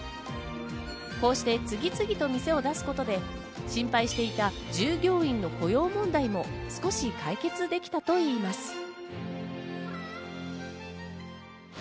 こうして、次々と店を出すことで心配していた従業員の雇用問題も少し解決できたといいます。